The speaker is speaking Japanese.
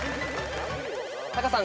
タカさん